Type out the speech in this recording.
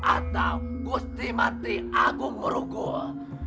atau gusti mati agung merugua